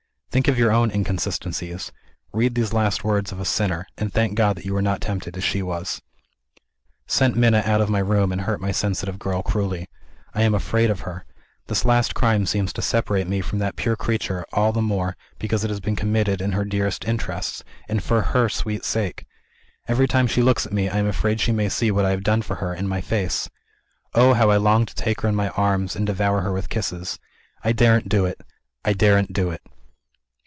Think of your own "inconsistencies." Read these last words of a sinner and thank God that you were not tempted as she was: "... Sent Minna out of my room, and hurt my sensitive girl cruelly. I am afraid of her! This last crime seems to separate me from that pure creature all the more, because it has been committed in her dearest interests, and for her sweet sake. Every time she looks at me, I am afraid she may see what I have done for her, in my face. Oh, how I long to take her in my arms, and devour her with kisses! I daren't do it I daren't do it."